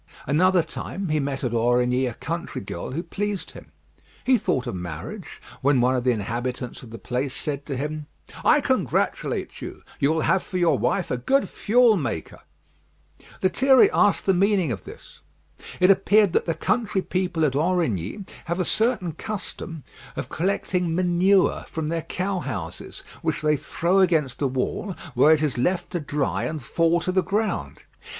Another time he met at Aurigny a country girl who pleased him. He thought of marriage, when one of the inhabitants of the place said to him, "I congratulate you; you will have for your wife a good fuel maker." Lethierry asked the meaning of this. It appeared that the country people at Aurigny have a certain custom of collecting manure from their cow houses, which they throw against a wall, where it is left to dry and fall to the ground.